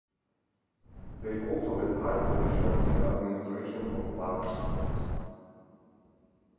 They also had high positions in the administration of large cities.